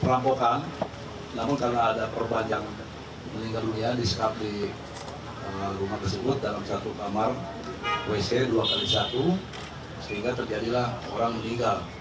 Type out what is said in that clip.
perampokan namun karena ada korban yang meninggal dunia disekap di rumah tersebut dalam satu kamar wc dua x satu sehingga terjadilah orang meninggal